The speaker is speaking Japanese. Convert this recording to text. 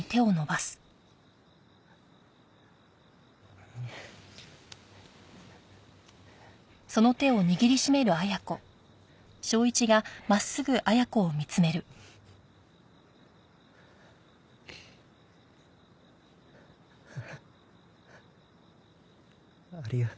あありがとう。